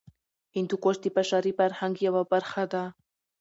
هندوکش د بشري فرهنګ یوه برخه ده.